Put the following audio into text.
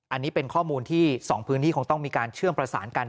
อันนี้เป็นข้อมูลที่๒พื้นที่คงต้องมีการเชื่อมประสานกัน